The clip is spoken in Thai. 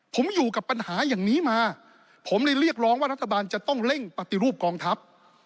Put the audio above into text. ผมอยู่กับปัญหาอย่างนี้มาผมเลยเรียกร้องว่ารัฐบาลจะต้องเร่งปฏิรูปกองทัพ